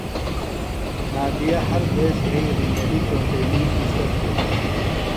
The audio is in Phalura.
نادیہ ہر دیس یھئی رُمیلیۡ چونٹئینی اِزدہ تھیلوۡ۔